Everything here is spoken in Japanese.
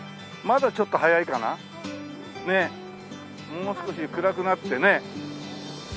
もう少し暗くなってねえ。